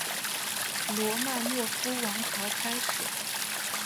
罗曼诺夫王朝开始。